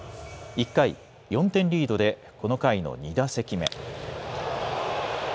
１回、４点リードでこの回の２打席目。